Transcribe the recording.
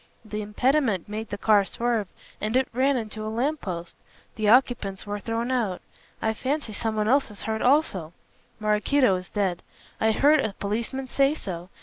The impediment made the car swerve and it ran into a lamp post. The occupants were thrown out. I fancy someone else is hurt also. Maraquito is dead. I heard a policeman say so.